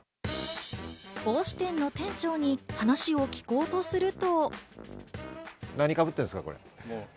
帽子店の店長に話を聞こうとすると。